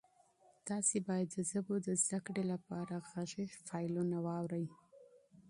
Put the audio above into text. تاسي باید د ژبو د زده کړې لپاره غږیز فایلونه واورئ.